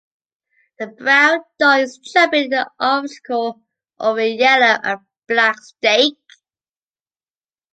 The brown dog is jumping an obstacle over a yellow and black stake.